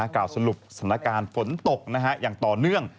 กล่าวสรุปสถานการณ์ฝนตกอย่างต่อเนื่อง